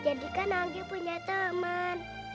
jadi kan anggi punya temen